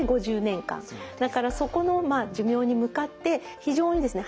だからそこの寿命に向かって非常にですね